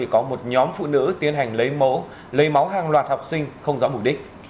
có một nhóm phụ nữ tiến hành lấy máu hàng loạt học sinh không rõ mục đích